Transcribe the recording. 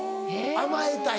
甘えたい？